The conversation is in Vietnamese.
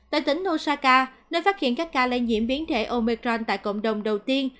tại tỉnh osaka nơi phát hiện các ca lây nhiễm biến thể omecron tại cộng đồng đầu tiên